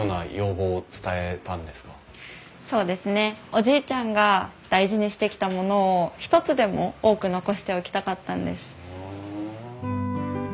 おじいちゃんが大事にしてきたものを一つでも多く残しておきたかったんです。